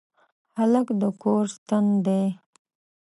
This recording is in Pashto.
هلک د کور ستن دی.